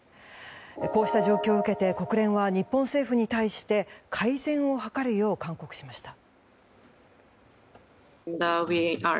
こうした状況を受けて国連は、日本政府に対して改善を図るよう勧告しました。